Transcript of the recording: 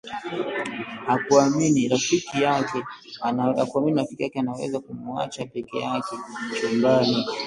Hakuamini rafiki yake anaweza kumuacha peke yake chumbani